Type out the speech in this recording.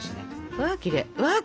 うわきれい！